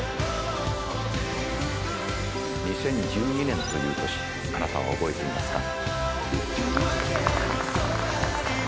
２０１２年という年あなたは覚えていますか？